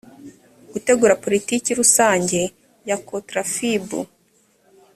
gutegura politiki rusange ya cotrafib